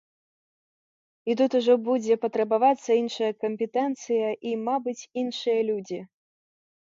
І тут ужо будзе патрабавацца іншая кампетэнцыя, і, мабыць, іншыя людзі.